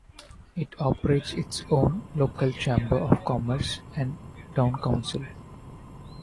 It operates its own local chamber of commerce and town council.